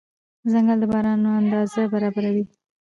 ځنګل د باران اندازه برابروي.